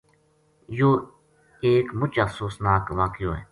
یوہ ایک مُچ افسوس ناک واقعو